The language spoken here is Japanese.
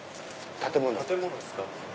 建物ですか？